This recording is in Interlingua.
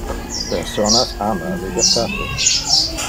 Personas ama libertate.